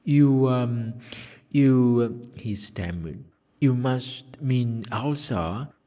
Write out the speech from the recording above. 'You you ' he stammered; 'you must mean Elsa?